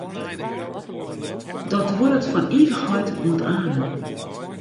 Dat duorret fan ivichheid oant amen.